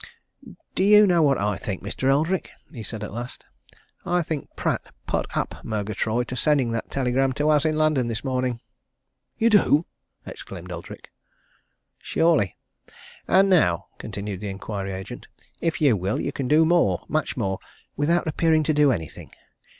"Do you know what I think, Mr. Eldrick?" he said at last. "I think Pratt put up Murgatroyd to sending that telegram to us in London this morning." "You do!" exclaimed Eldrick. "Surely! And now," continued the inquiry agent, "if you will, you can do more much more without appearing to do anything.